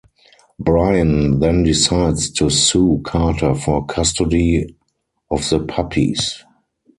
Brian then decides to sue Carter for custody of the puppies.